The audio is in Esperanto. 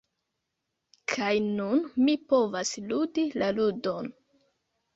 Kaj nun, mi povas ludi la ludon!